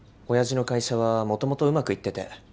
親父の会社はもともとうまくいってて。